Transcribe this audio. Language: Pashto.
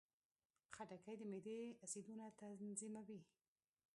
خټکی د معدې اسیدونه تنظیموي.